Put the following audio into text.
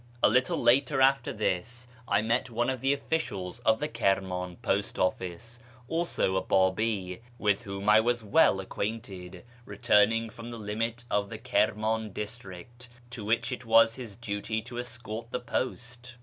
A little after this I met one of the officials of the Kirman post office (also a Babi, with whom I was well acquainted) returning from the limit of the Kirman district, to which it was his duty to escort the post.